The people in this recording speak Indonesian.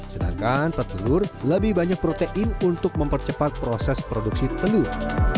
sedangkan petelur lebih banyak protein untuk mempercepat proses produksi telur